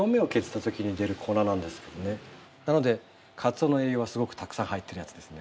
なので鰹の栄養はすごくたくさん入っているやつですね。